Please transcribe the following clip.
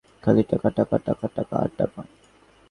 খালি টাকা, টাকা, টাকা আর টাকা।